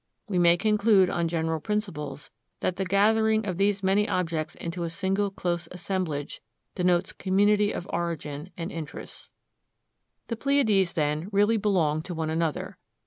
We may conclude on general principles that the gathering of these many objects into a single close assemblage denotes community of origin and interests. The Pleiades then really belong to one another.